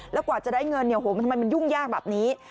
แล้วกว่าจะได้เงินทำไมมันยุ่งยากแบบนี้